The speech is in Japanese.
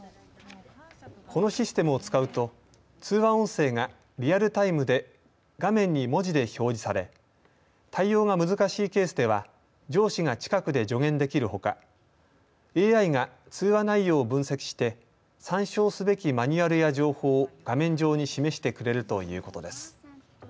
このシステムを使うと通話音声がリアルタイムで画面に文字で表示され対応が難しいケースでは上司が近くで助言できるほかＡＩが通話内容を分析して参照すべきマニュアルや情報を画面上に示してくれるということです。